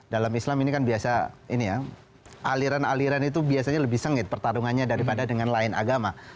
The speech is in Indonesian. dalam islam ini kan biasa ini ya aliran aliran itu biasanya lebih sengit pertarungannya daripada dengan lain agama